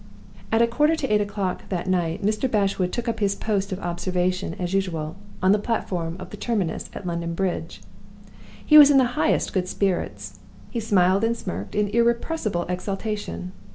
At a quarter to eight o'clock that night Mr. Bashwood took up his post of observation, as usual, on the platform of the terminus at London Bridge. He was in the highest good spirits; he smiled and smirked in irrepressible exultation.